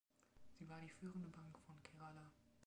Sie war die führende Bank von Kerala.